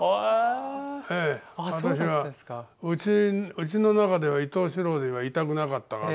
うちの中では伊東四朗ではいたくなかったから。